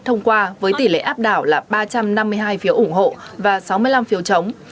thông qua với tỷ lệ áp đảo là ba trăm năm mươi hai phiếu ủng hộ và sáu mươi năm phiếu chống